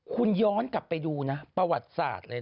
คุณย้อนกลับไปดูนะประวัติศาสตร์เลย